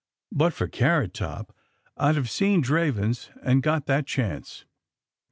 But for Carrot top I^d have seen Dravens and got that chance.''